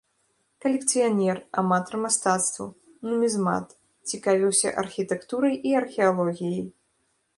Калекцыянер, аматар мастацтваў, нумізмат, цікавіўся архітэктурай і археалогіяй.